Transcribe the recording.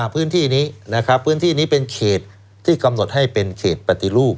พื้นที่นี้นะครับพื้นที่นี้เป็นเขตที่กำหนดให้เป็นเขตปฏิรูป